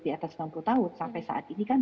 di atas enam puluh tahun sampai saat ini kan